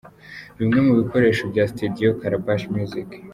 Bimwe mu bikoresho bya Studio Calabash music.